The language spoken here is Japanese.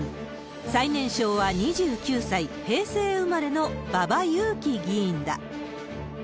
最年少は２９歳、平成生まれの馬場雄基議員だ。